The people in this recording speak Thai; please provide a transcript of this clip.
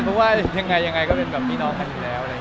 เพราะว่ายังไงยังไงก็เป็นแบบพี่น้องกันอยู่แล้ว